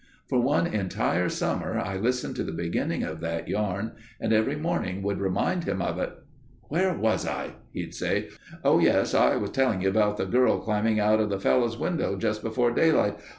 For one entire summer I listened to the beginning of that yarn and every morning would remind him of it. "Where was I?" he'd say. "Oh, yes, I was telling you about the girl climbing out of the fellow's window just before daylight.